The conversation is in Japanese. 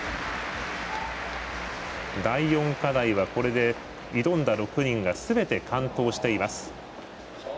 第４課題は、これで挑んだ６人がすべて完登しています。